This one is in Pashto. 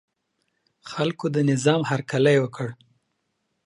خلکو د نظام هرکلی وکړ.